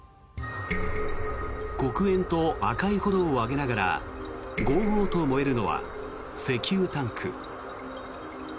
黒煙と赤い炎を上げながらごうごうと燃えるのは石油タンク。